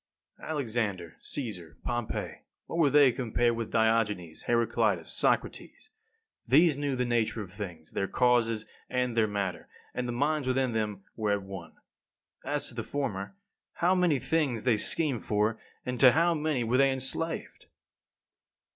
3. Alexander, Caesar, Pompey, what were they compared with Diogenes, Heraclitus, Socrates? These knew the nature of things, their causes and their matter, and the minds within them were at one. As to the former, how many things they schemed for, and to how many were they enslaved!